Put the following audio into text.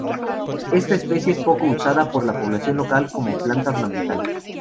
Esta especie es poco usada por la población local como planta ornamental.